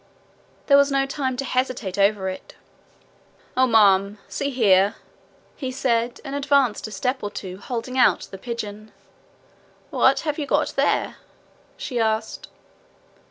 There was no time to hesitate over it. 'Oh, ma'am! See here,' he said, and advanced a step or two, holding out the pigeon. 'What have you got there?' she asked.